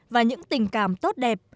và những tình cảm tốt đẹp